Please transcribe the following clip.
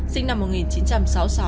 sinh năm một nghìn chín trăm sáu mươi sáu